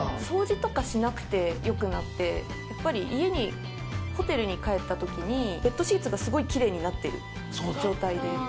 掃除とかしなくてよくなってやっぱりホテルに帰ったときにベッドシーツがすごい奇麗になってる状態で。